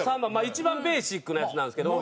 一番ベーシックなやつなんですけど。